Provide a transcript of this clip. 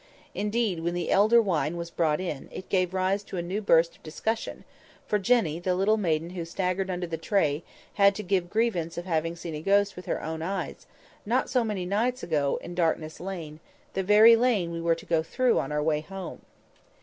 Indeed, when the elder wine was brought in, it gave rise to a new burst of discussion; for Jenny, the little maiden who staggered under the tray, had to give evidence of having seen a ghost with her own eyes, not so many nights ago, in Darkness Lane, the very lane we were to go through on our way home.